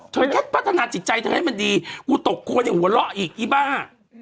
เธอยังแค่พัฒนาสิทธิใจเธอให้มันดีตกโครนอย่างหัวเราะอีกอีบ้า